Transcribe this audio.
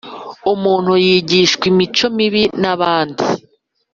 Umuntu yigishwa imico mibi n’abandi.